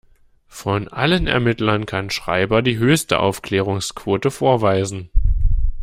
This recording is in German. Von allen Ermittlern kann Schreiber die höchste Aufklärungsquote vorweisen.